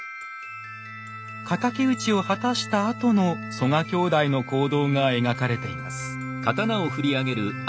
敵討ちを果たしたあとの曽我兄弟の行動が描かれています。